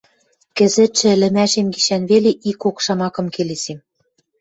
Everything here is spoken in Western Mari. Кӹзӹтшӹ ӹлӹмӓшем гишӓн веле ик-кок шамакым келесем: